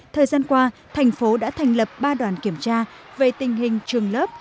thời gian qua thành phố đã thành lập ba đoàn kiểm tra về tình hình trường lớp